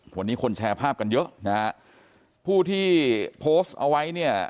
วันนี้คนแชร์ภาพกันเยอะนะฮะผู้ที่โพสต์เอาไว้เนี่ย